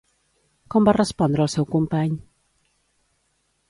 Com va respondre el seu company?